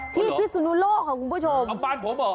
พิสุนุโลกค่ะคุณผู้ชมเอาบ้านผมเหรอ